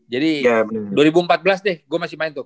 jadi dua ribu empat belas deh gue masih main tuh